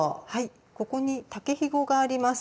ここに竹ひごがあります。